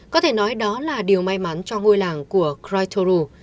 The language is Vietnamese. có thể nói đó là điều may mắn cho ngôi làng của critreu